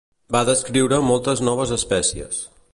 Va descriure moltes noves espècies.